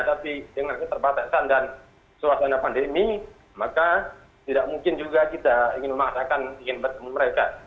tapi dengan keterbatasan dan suasana pandemi maka tidak mungkin juga kita ingin memaksakan ingin bertemu mereka